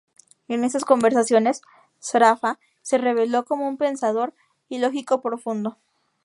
En esas conversaciones Sraffa se reveló como un pensador y lógico profundo.